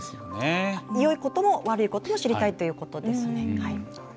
よいことも悪いことも知りたいということですね。